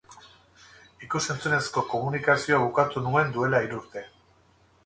Ikus-entzunezko komunikazioa bukatu nuen duela hiru urte.